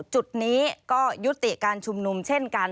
จุดนี้ก็ยุติการชุมนุมเช่นกัน